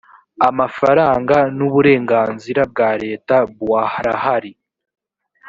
amafaranga n uburenganzira bwa leta buarahari